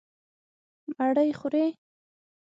_مړۍ خورې؟